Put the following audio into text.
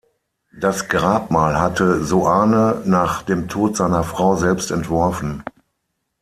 Das Grabmal hatte Soane nach dem Tod seiner Frau selbst entworfen.